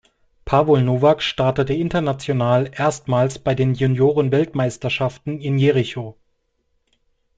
Pavol Novák startete international erstmals bei den Juniorenweltmeisterschaften in Jericho.